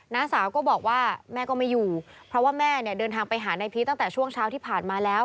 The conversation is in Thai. สาวก็บอกว่าแม่ก็ไม่อยู่เพราะว่าแม่เนี่ยเดินทางไปหานายพีชตั้งแต่ช่วงเช้าที่ผ่านมาแล้ว